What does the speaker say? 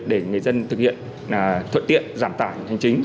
để người dân thực hiện thuận tiện giảm tải hành chính